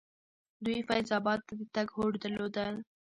دوی فیض اباد ته د تګ هوډ درلودل.